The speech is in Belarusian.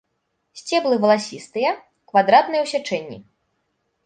Сцеблы валасістыя, квадратныя ў сячэнні.